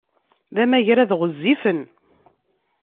D amagrad ɣezzifen!